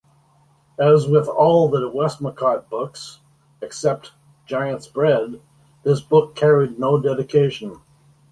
As with all the Westmacott books, except "Giant's Bread", this book carried no dedication.